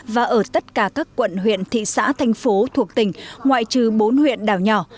và ở tất cả các quận huyện thị xã thành phố thuộc tỉnh ngoại trừ bốn huyện đảo nhỏ